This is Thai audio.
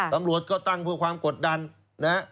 ตำรวจก็ตั้งเพื่อความกดดันนะฮะ